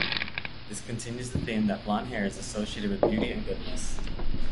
This continues the theme that blond hair is associated with beauty and goodness.